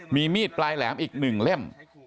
มีมีดปลายแหลมอีก๑เล่ม